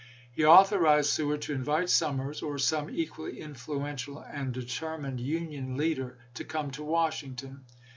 He authorized Seward to invite Summers, or some equally influential and determined Union leader, to come to Washington.